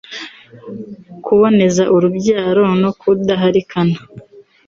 kuboneza urubyaro no kudaharikana